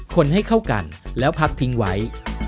คนให้เข้ากันแล้วพักทิ้งไว้